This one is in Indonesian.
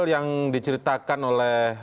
yang diceritakan oleh